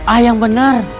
ah yang benar